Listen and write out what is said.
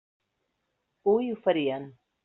Hui ho farien.